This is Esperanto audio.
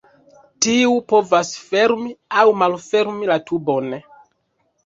Tiu povas fermi aŭ malfermi la tubon.